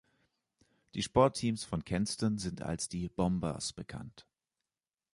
Die Sportteams von Kenston sind als die „Bombers“ bekannt.